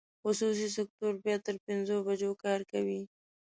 خصوصي سکټور بیا تر پنځو بجو کار کوي.